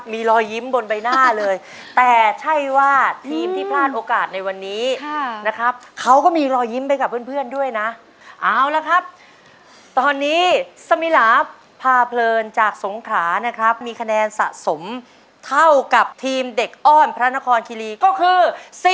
มีรอยยิ้มบนใบหน้าเลยแต่ใช่ว่าทีมที่พลาดโอกาสในวันนี้นะครับเขาก็มีรอยยิ้มไปกับเพื่อนด้วยนะเอาละครับตอนนี้สมิลาพาเพลินจากสงขรานะครับมีคะแนนสะสมเท่ากับทีมเด็กอ้อนพระนครคิรีก็คือ